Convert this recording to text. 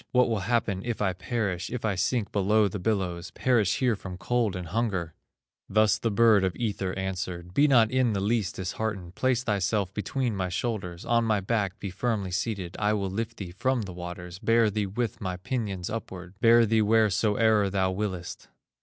What will happen if I perish, If I sink below the billows, Perish here from cold and hunger?" Thus the bird of Ether answered: "Be not in the least disheartened, Place thyself between my shoulders, On my back be firmly seated, I will lift thee from the waters, Bear thee with my pinions upward, Bear thee wheresoe'er thou willest.